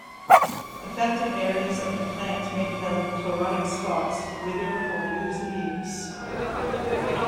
Affected areas of the plant may develop chlorotic spots, whither, or lose leaves.